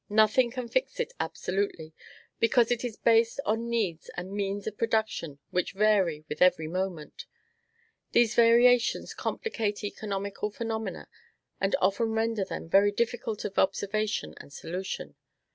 Nothing can fix it absolutely, because it is based on needs and means of production which vary with every moment. These variations complicate economical phenomena, and often render them very difficult of observation and solution.